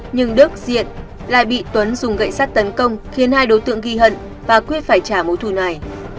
nhưng đức diện lại bị tuấn dùng gậy sắt tấn công khiến hai đối tượng ghi hận và quyết phải trả mối thủ này